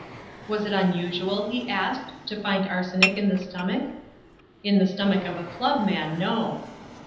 Was it unusual, he asked, to find arsenic in the stomach? In the stomach of a club man, no.